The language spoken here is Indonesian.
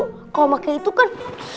kalau pakai itu kan